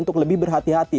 untuk lebih berhati hati